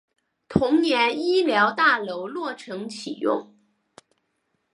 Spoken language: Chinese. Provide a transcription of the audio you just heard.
同年医疗大楼落成启用。